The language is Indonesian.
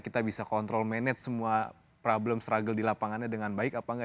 kita bisa kontrol manage semua problem struggle di lapangannya dengan baik apa enggak